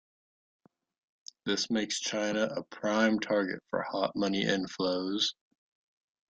This makes China a prime target for hot money inflows.